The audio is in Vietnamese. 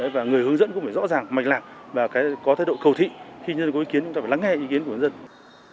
và người hướng dẫn cũng phải rõ ràng mạch lạc và có thái độ cầu thị khi nhân dân có ý kiến chúng ta phải lắng nghe ý kiến của nhân dân